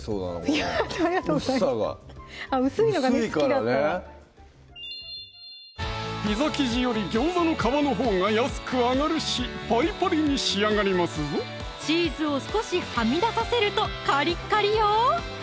これ薄さが薄いのが好きだったら薄いからねピザ生地よりギョウザの皮のほうが安くあがるしパリパリに仕上がりますぞチーズを少しはみ出させるとカリカリよ！